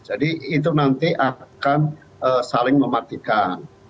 jadi itu nanti akan saling mematikan